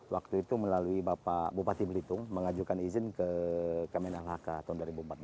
waktu itu melalui bupati belitung mengajukan izin ke kemen lhk tahun dua ribu empat belas